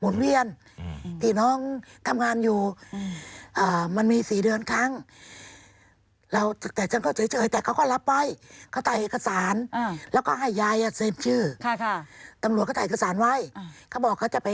เขาบอกเค้าจะไปหาให้